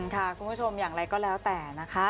คุณผู้ชมอย่างไรก็แล้วแต่นะคะ